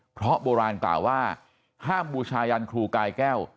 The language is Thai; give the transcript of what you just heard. เพราะโบราณกล่าวว่าห้ามบูชายันครูกายแก้ว